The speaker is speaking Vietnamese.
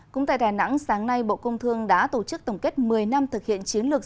cũng tại đà nẵng sáng nay bộ công thương đã tổ chức tổng kết một mươi năm thực hiện chiến lược